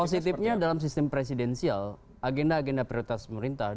positifnya dalam sistem presidensial agenda agenda prioritas pemerintah